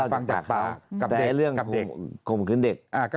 ฟังจากปากกับเด็ก